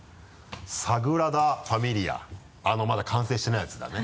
「サグラダファミリア」あのまだ完成してないやつだね。